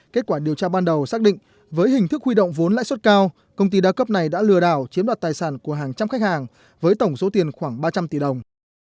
kết quả điều tra ban đầu xác định với hình thức huy động vốn lãi suất cao công ty đa cấp này đã lừa đảo chiếm đoạt tài sản của hàng trăm khách hàng với tổng số tiền khoảng ba trăm linh tỷ đồng